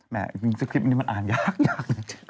แหมสภิกษ์นี้มันอ่านยากหนึ่ง